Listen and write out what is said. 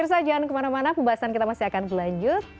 pemirsa jangan kemana mana pembahasan kita masih akan berlanjut